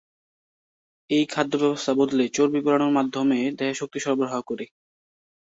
এই খাদ্য ব্যবস্থা বদলে চর্বি পোড়ানোর মাধ্যমে দেহে শক্তি সরবরাহ করে।